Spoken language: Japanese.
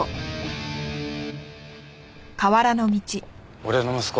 俺の息子